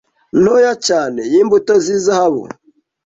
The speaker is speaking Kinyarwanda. ntoya cyane yimbuto zizahabu?